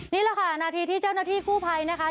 นี่แหละค่ะนาทีที่เจ้าหน้าที่กู้ภัยนะคะ